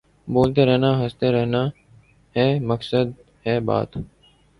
بولتے رہنا ہنستے رہنا بے مقصد بے بات